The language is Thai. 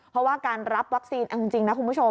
เพราะว่าการรับวัคซีนเอาจริงนะคุณผู้ชม